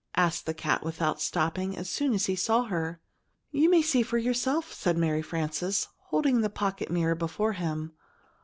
asked the cat without stopping, as soon as he saw her. "You may see for yourself," said Mary Frances, holding the pocket mirror before him.